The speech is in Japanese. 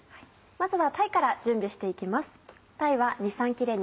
まずは鯛から準備していきます。